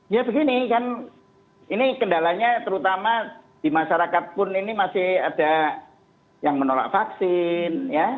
ya begini kan ini kendalanya terutama di masyarakat pun ini masih ada yang menolak vaksin ya